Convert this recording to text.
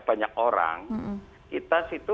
banyak orang kita